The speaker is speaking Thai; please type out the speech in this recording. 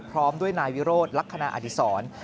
พร้อมด้วยนายวิโรธลักษณะอดีศร